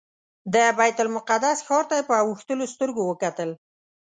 د بیت المقدس ښار ته یې په اوښلنو سترګو وکتل.